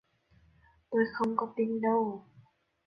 tôi không có tin đâu